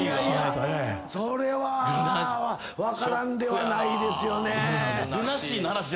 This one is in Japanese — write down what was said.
それは分からんではないですよね。